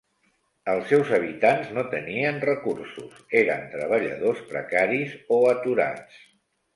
Els seus habitants no tenien recursos, eren treballadors precaris o aturats.